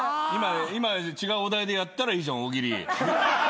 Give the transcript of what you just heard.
今違うお題でやったらいいじゃん大喜利。